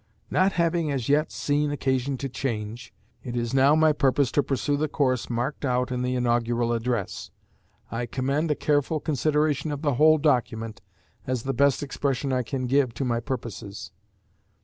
Not having as yet seen occasion to change, it is now my purpose to pursue the course marked out in the Inaugural Address. I commend a careful consideration of the whole document as the best expression I can give to my purposes.